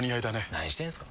何してんすか。